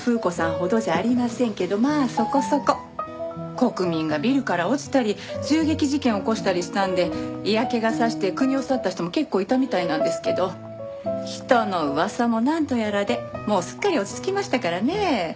国民がビルから落ちたり銃撃事件起こしたりしたんで嫌気が差して国を去った人も結構いたみたいなんですけど人の噂もなんとやらでもうすっかり落ち着きましたからね。